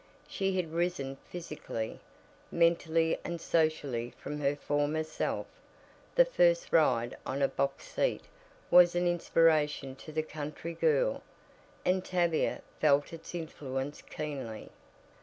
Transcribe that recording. She had risen physically, mentally and socially from her former self the first ride on a box seat was an inspiration to the country girl, and Tavia felt its influence keenly.